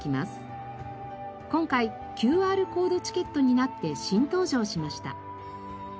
今回ＱＲコードチケットになって新登場しました。